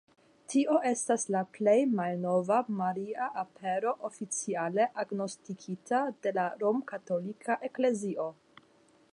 Tio estas la plej malnova Maria Apero oficiale agnoskita de la Romkatolika Eklezio.